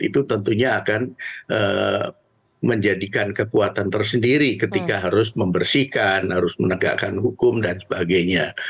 itu tentunya akan menjadikan kekuatan tersendiri ketika harus membersihkan harus menegakkan hukum dan sebagainya